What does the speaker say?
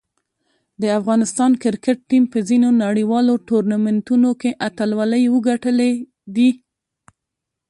د افغانستان کرکټ ټیم په ځینو نړیوالو ټورنمنټونو کې اتلولۍ وګټلې دي.